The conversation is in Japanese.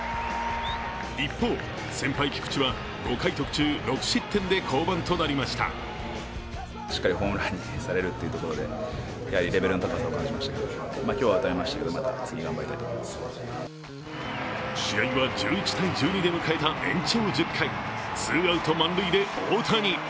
一方、先輩・菊池は５回途中、６失点で降板となりました試合は１１−１２で迎えた延長１０回、ツーアウト満塁で大谷。